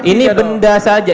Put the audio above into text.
ini benda saja